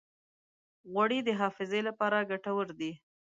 غوړې د حافظې لپاره ګټورې دي.